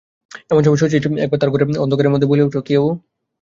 এমন সময়ে শচীশ একবার তার ঘরের অন্ধকারের মধ্যে বলিয়া উঠিল, কে ও!